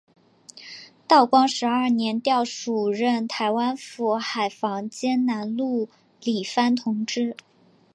道光十二年调署任台湾府海防兼南路理番同知。